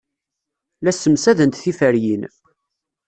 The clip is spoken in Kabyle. La ssemsadent tiferyin.